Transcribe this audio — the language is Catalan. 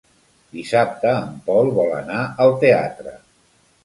Dissabte en Pol vol anar al teatre.